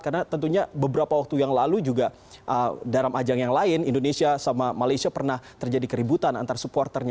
karena tentunya beberapa waktu yang lalu juga dalam ajang yang lain indonesia sama malaysia pernah terjadi keributan antar supporternya